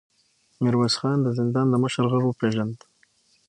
ميرويس خان د زندان د مشر غږ وپېژاند.